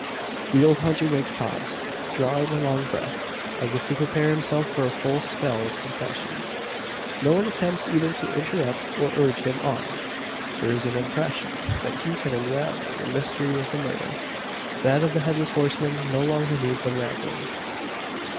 The old hunter makes pause, drawing a long breath as if to prepare himself for a full spell of confession. No one attempts either to interrupt or urge him on. There is an impression that he can unravel the mystery of the murder. That of the Headless Horseman no longer needs unravelling.